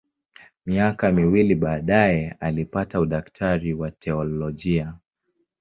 Miaka miwili baadaye alipata udaktari wa teolojia.